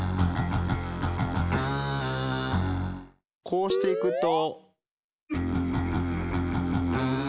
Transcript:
こうしていくと。